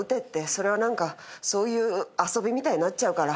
それは何かそういう遊びみたいになっちゃうから。